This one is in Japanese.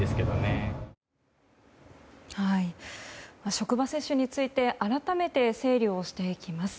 職場接種について改めて整理をしていきます。